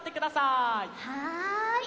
はい。